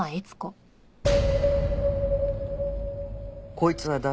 こいつは誰？